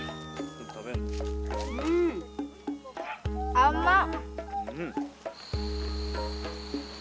甘っ。